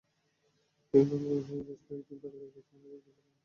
বিভিন্ন অঙ্গনের বেশ কয়েকজন তারকার কাছে আমরা জানতে চেয়েছিলাম আঠারোর গল্প।